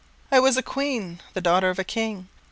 I was a queen, the daughter of a king.